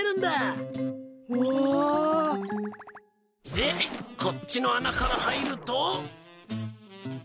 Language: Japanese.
でこっちの穴から入ると。